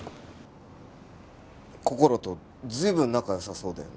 こころと随分仲良さそうだよね。